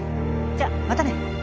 じゃまたね。